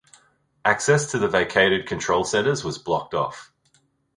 Access to the vacated control centers was blocked off.